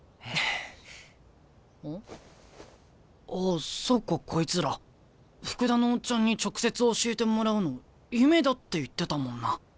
あそっかこいつら福田のオッチャンに直接教えてもらうの夢だって言ってたもんな。